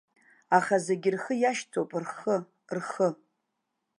Аха зегьы рхы иашьҭоуп, рхы, рхы.